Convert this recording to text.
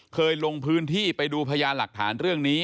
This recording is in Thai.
ลงพื้นที่ไปดูพยานหลักฐานเรื่องนี้